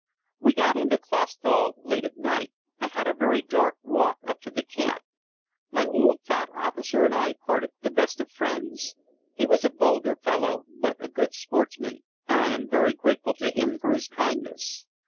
We got into Clausthal late at night and had a very dark walk up to the camp. My old fat officer and I parted the best of friends. He was a vulgar fellow but a good sportsman, and I am very grateful to him for his kindness.